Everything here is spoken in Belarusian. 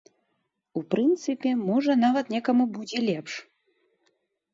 У прынцыпе, можа, нават некаму будзе лепш.